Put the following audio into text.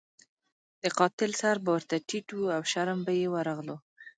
د قاتل سر به ورته ټیټ وو او شرم به یې ورغلو.